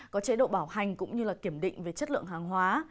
có chế độ bảo hành cũng như kiểm định về chất lượng hàng hóa